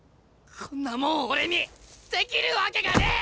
こんなもん俺にできるわけがねえ！